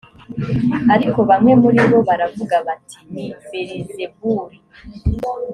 ariko bamwe muri bo baravuga bati ni belizebuli